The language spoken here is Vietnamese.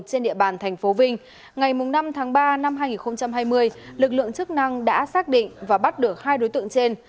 trên địa bàn tp vinh ngày năm tháng ba năm hai nghìn hai mươi lực lượng chức năng đã xác định và bắt được hai đối tượng trên